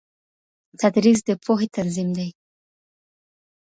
تدريس د پوهي تنظيم دی.